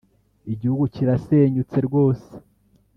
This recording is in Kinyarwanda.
igihugu kirasenyutse rwose,